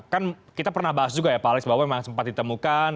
kan kita pernah bahas juga ya pak alex bahwa memang sempat ditemukan